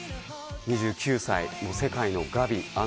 ２９歳、世界のガビ。